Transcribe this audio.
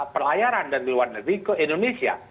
pelayaran dari luar negeri ke indonesia